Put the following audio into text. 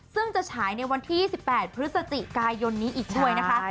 ซึ่งจะฉายในวันที่๒๘พฤศจิกายนนี้อีกด้วยนะคะ